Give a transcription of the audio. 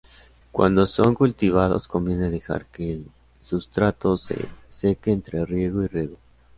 Cuando son cultivados conviene dejar que el sustrato se seque entre riego y riego.